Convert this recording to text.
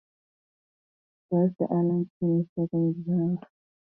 Thus the Islands finished second in the table, tied with Trinidad and Tobago.